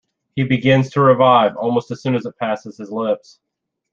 He begins to revive almost as soon as it passes his lips.